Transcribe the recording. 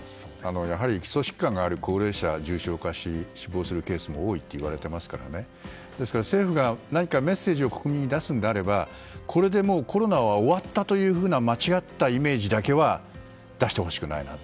やはり基礎疾患がある高齢者重症化して死亡するケースも多いといわれていますからですから、政府が何かメッセージを国民に出すのであればこれでもうコロナは終わったというふうな間違ったメッセージだけは出してほしくないなと。